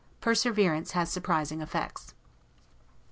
Perseverance has surprising effects.